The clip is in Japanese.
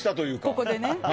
ここでね。